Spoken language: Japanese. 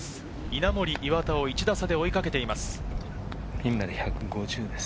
稲森、岩田を１打差で追いかけています。